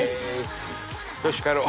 よし帰ろう。